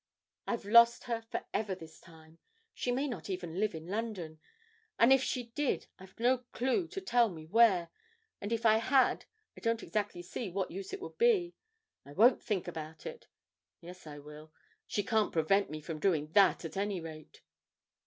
I've lost her for ever this time; she may not even live in London, and if she did I've no clue to tell me where, and if I had I don't exactly see what use it would be; I won't think about her yes, I will, she can't prevent me from doing that, at any rate!'